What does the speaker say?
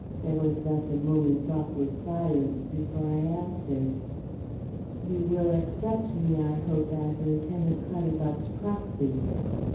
There was thus a moment's silence before I answered. "You will accept me I hope as Lieutenant Clutterbuck's proxy."